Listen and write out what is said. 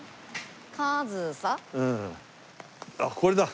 あっこれだ！